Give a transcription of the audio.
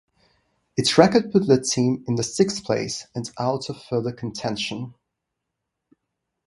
Its record put the team in sixth place and out of further contention.